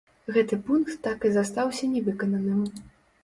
Гэты пункт так і застаўся не выкананым.